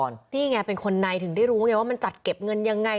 นี่ไงเป็นคนในถึงได้รู้ไงว่ามันจัดเก็บเงินยังไง